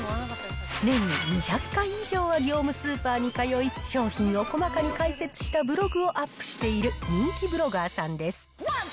年に２００回以上は業務スーパーに通い、商品を細かに解説したブログをアップしている、人気ブロガーさんです。